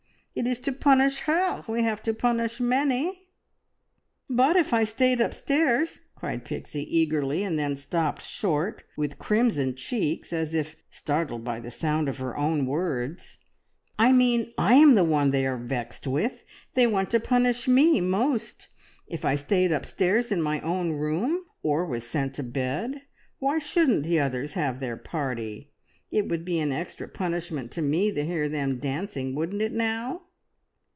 It is to punish her we have to punish many." "But if I stayed upstairs " cried Pixie eagerly, and then stopped short, with crimson cheeks, as if startled by the sound of her own words. "I mean I am the one they are vexed with; they want to punish me most. If I stayed upstairs in my own room, or was sent to bed, why shouldn't the others have their party? It would be an extra punishment to me to hear them dancing, wouldn't it now?"